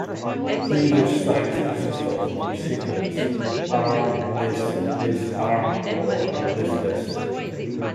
Cleavage sites consist of the sequences Arg-Lys, Lys-Arg, or Lys-Lys.